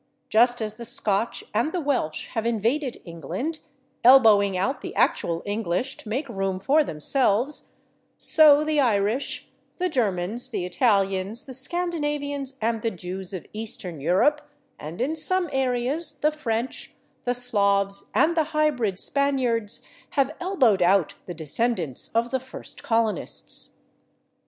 Just as the Scotch and the Welsh have invaded England, elbowing out the actual English to make room for themselves, so the Irish, the Germans, the Italians, the Scandinavians and the Jews of Eastern Europe, and in some areas, the French, the Slavs and the hybrid Spaniards have elbowed out the descendants of the first colonists.